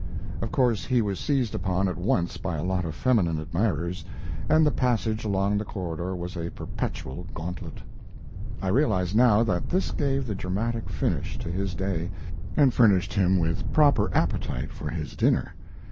Of course he was seized upon at once by a lot of feminine admirers, and the passage along the corridor was a perpetual gantlet. I realize now that this gave the dramatic finish to his day, and furnished him with proper appetite for his dinner.